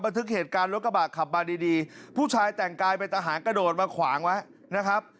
ทึกเหตุการณ์รถกระบะขับมาดีดีผู้ชายแต่งกายเป็นทหารกระโดดมาขวางไว้นะครับ